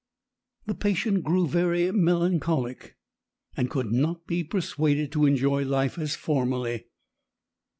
The patient grew very melancholic, and could not be persuaded to enjoy life as formerly.